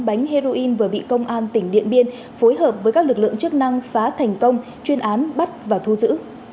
ba bánh heroin vừa bị công an tỉnh điện biên phối hợp với các lực lượng chức năng phá thành công chuyên án bắt và thu giữ